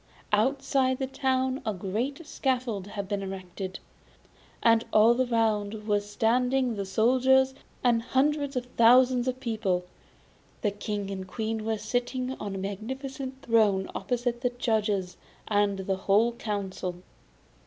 Outside the town a great scaffold had been erected, and all round were standing the soldiers, and hundreds of thousands of people. The King and Queen were sitting on a magnificent throne opposite the judges and the whole council.